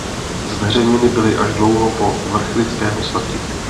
Zveřejněny byly až dlouho po Vrchlického smrti.